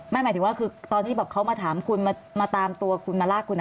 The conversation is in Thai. หมายถึงว่าคือตอนที่แบบเขามาถามคุณมาตามตัวคุณมาลากคุณ